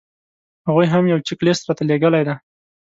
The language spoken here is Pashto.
هغوی هم یو چیک لیست راته رالېږلی دی.